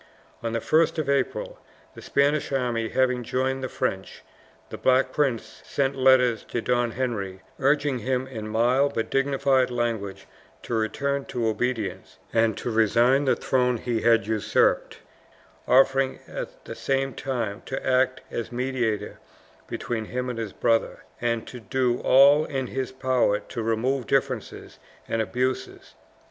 On the 1st of April, the Spanish army having joined the French, the Black Prince sent letters to Don Henry, urging him in mild but dignified language to return to obedience, and to resign the throne he had usurped, offering at the same time to act as mediator between him and his brother, and to do all in his power to remove differences and abuses.